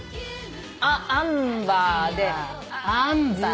アンバーでジアンバー。